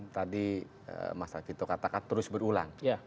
tadi mas alfito katakan terus berulang